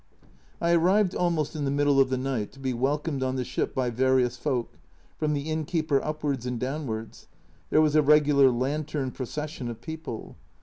I arrived almost in the middle of the night, to be welcomed on the ship by various folk, from the inn keeper upwards and downwards there was a regular lantern procession of people.